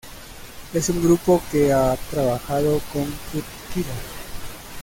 Es un grupo que a trabajado con cut killer.